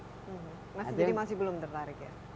jadi masih belum tertarik ya